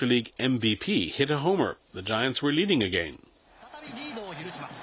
再びリードを許します。